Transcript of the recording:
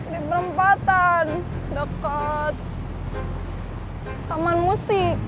di perempatan dekat taman musik